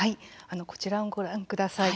こちらをご覧ください。